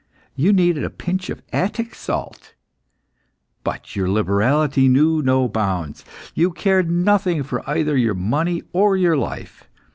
You needed a pinch of Attic salt, but your liberality knew no bounds. You cared nothing for either your money or your life.